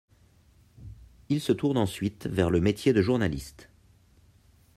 Il se tourne ensuite vers le métier de journaliste.